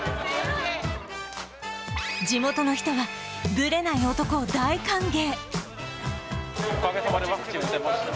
地元の人はブレない男を大歓迎。